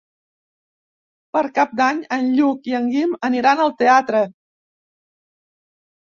Per Cap d'Any en Lluc i en Guim aniran al teatre.